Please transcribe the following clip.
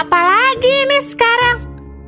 apa lagi ini sekarang